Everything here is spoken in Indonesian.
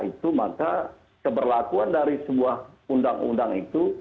itu maka keberlakuan dari sebuah undang undang itu